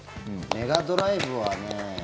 メガドライブはね